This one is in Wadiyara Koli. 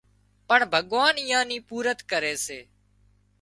پڻ ڀڳوان ايئان نِي پُورت ڪري سي